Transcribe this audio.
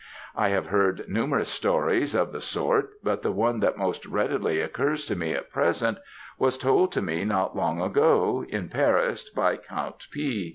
I have heard numerous stories of the sort, but the one that most readily occurs to me at present, was told to me not long ago, in Paris, by Count P.